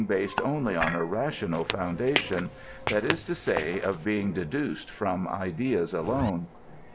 based only on a raiicmcd f(Mndati(mr* ^^\ is to say, of being deduced from ideas alone.